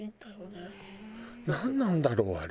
なんなんだろう？